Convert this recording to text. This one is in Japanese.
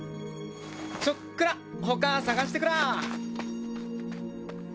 ちょっくら他捜してくらぁ。